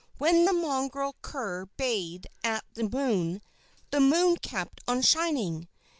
When the mongrel cur bayed at the moon, "the moon kept on shining."